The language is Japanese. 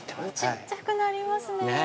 ◆ちっちゃくなりますね。